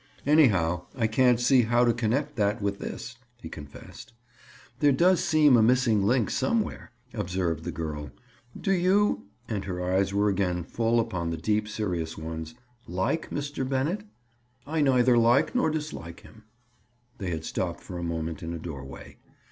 "Anyhow, I can't see how to connect that with this," he confessed. "There does seem a missing link somewhere," observed the girl. "Do you"—and her eyes were again full upon the deep serious ones—"like Mr. Bennett?" "I neither like nor dislike him." They had stopped for a moment in a doorway.